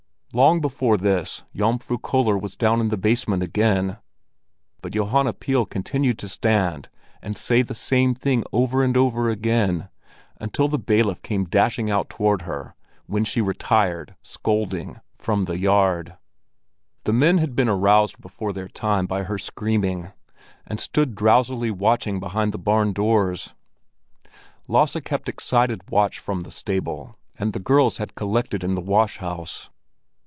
Long before this Jomfru Köller was down in the basement again, but Johanna Pihl continued to stand and say the same thing over and over again, until the bailiff came dashing out toward her, when she retired, scolding, from the yard. The men had been aroused before their time by her screaming, and stood drowsily watching behind the barn doors. Lasse kept excited watch from the stable, and the girls had collected in the wash house.